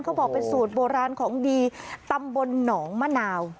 เขาบอกเป็นสูตรโบราณของดีตำบลหนองมะนาว